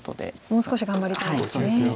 もう少し頑張りたいですね。